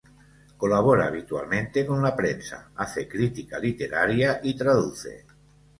Colabora habitualmente con la prensa, hace crítica literaria y traduce.